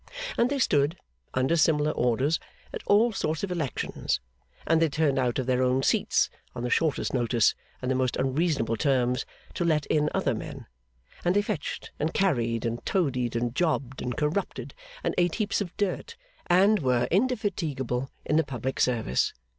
And they stood, under similar orders, at all sorts of elections; and they turned out of their own seats, on the shortest notice and the most unreasonable terms, to let in other men; and they fetched and carried, and toadied and jobbed, and corrupted, and ate heaps of dirt, and were indefatigable in the public service.